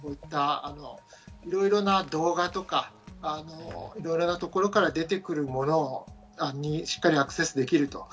いろいろな動画とか、いろんなところから出てくるものをしっかりアクセスできる。